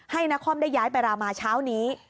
นครได้ย้ายไปรามาเช้านี้